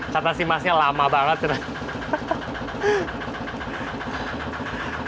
kata si masnya lama banget